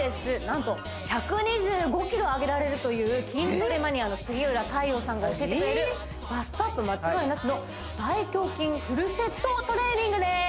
なんと１２５ｋｇあげられるという筋トレマニアの杉浦太陽さんが教えてくれるバストアップ間違いなしの大胸筋フルセットトレーニングです